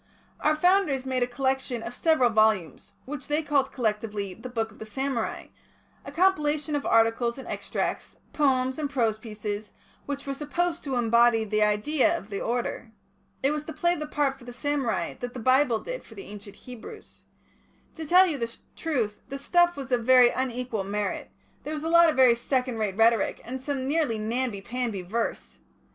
Our Founders made a collection of several volumes, which they called, collectively, the Book of the Samurai, a compilation of articles and extracts, poems and prose pieces, which were supposed to embody the idea of the order. It was to play the part for the samurai that the Bible did for the ancient Hebrews. To tell you the truth, the stuff was of very unequal merit; there was a lot of very second rate rhetoric, and some nearly namby pamby verse.